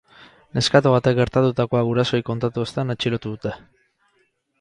Neskato batek gertatutakoa gurasoei kontatu ostean atxilotu dute.